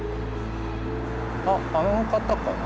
あっあの方かな？